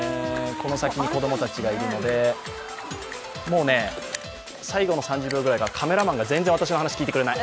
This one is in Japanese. この先に子供たちがいるので最後の３０秒ぐらいが全然私の話を聞いてくれない。